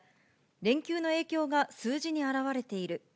連休の影響が数字に表れている。